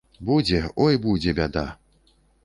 Будзе, ой, будзе бяда!